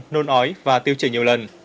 nôn ói và tiêu chảy nhiều lần